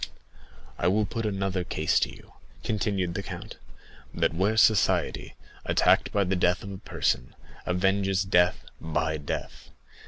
"I will put another case to you," continued the count; "that where society, attacked by the death of a person, avenges death by death.